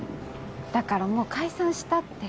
だからもう解散したって。